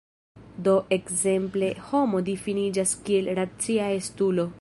Do ekzemple "homo" difiniĝas kiel "racia estulo".